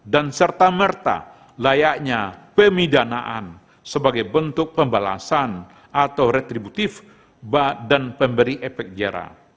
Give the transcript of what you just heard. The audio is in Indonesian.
dan serta merta layaknya pemidanaan sebagai bentuk pembalasan atau retributif dan pemberi epek jera